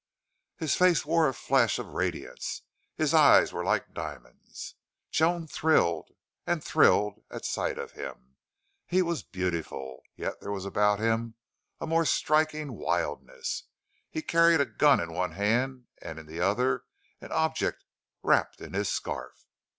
His face wore a flush of radiance; his eyes were like diamonds. Joan thrilled and thrilled at sight of him. He was beautiful. Yet there was about him a more striking wildness. He carried a gun in one hand and in the other an object wrapped in his scarf.